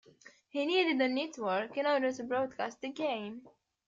He needed a network in order to broadcast the games.